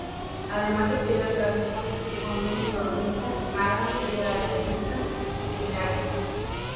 Además de piedra caliza, que contienen dolomita, marga, piedra arenisca y similares.